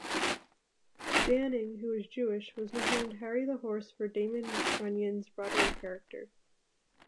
Danning, who was Jewish, was nicknamed "Harry The Horse" for Damon Runyon's Broadway character.